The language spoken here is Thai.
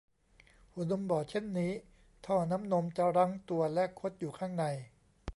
หัวนมบอดเช่นนี้ท่อน้ำนมจะรั้งตัวและคดอยู่ข้างใน